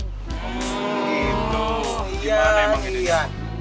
oh gitu gimana emang idenya